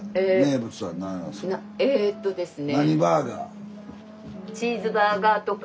えっとですね。